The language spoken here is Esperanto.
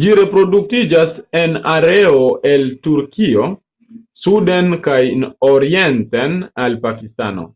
Ĝi reproduktiĝas en areo el Turkio suden kaj orienten al Pakistano.